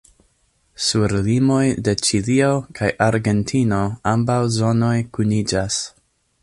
Sur limoj de Ĉilio kaj Argentino ambaŭ zonoj kuniĝas.